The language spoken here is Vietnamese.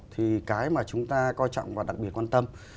thì cái mà chúng ta coi trọng và đặc biệt quan tâm